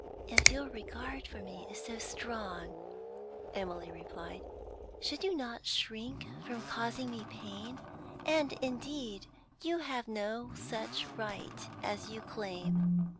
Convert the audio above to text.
'If your regard for me is so strong,' Emily replied, 'should you not shrink from causing me pain? And indeed you have no such right as you claim.